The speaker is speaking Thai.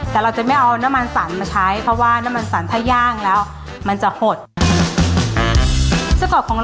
แต่เราจะไม่เอาน้ำมันสันมาใช้